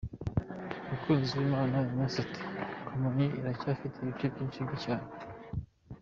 Mukunziwimana Ignace ati «Kamonyi iracyafite ibice byinshi by’icyaro.